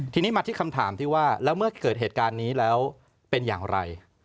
ทีนี้มาที่คำถามที่ว่าแล้วเมื่อเกิดเหตุการณ์นี้แล้วเป็นอย่างไร